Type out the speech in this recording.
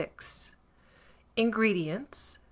986. INGREDIENTS.